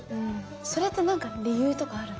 それって何か理由とかあるんですか？